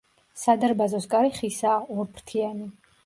სადარბაზოს კარი ხისაა, ორფრთიანი.